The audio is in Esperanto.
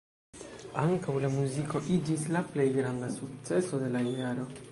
Ankaŭ la muziko iĝis la plej granda sukceso de la jaro.